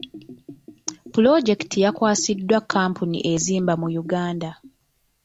Pulojekiti yakwasiddwa kkampuni ezimba mu Uganda.